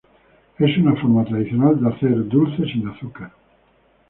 Es una forma tradicional de hacer dulce sin azúcar.